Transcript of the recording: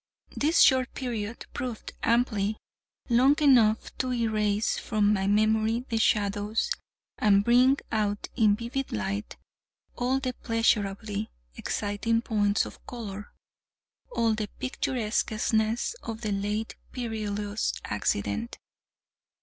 This short period proved amply long enough to erase from my memory the shadows, and bring out in vivid light all the pleasurably exciting points of color, all the picturesqueness, of the late perilous accident.